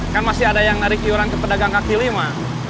kan masih ada yang narik iuran ke pedagang kaki lima